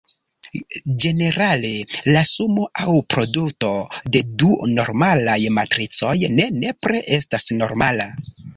Ĝenerale, la sumo aŭ produto de du normalaj matricoj ne nepre estas normala.